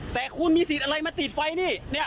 แต่คุณมีสิทธิ์อะไรมาติดไฟนี่